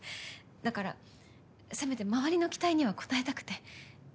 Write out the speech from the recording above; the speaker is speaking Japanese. だからせめて周りの期待には応えたくて。